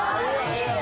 確かに。